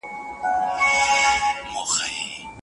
په نړۍ کي کله ناکله ناڅېړونکي هم لارښودان وي.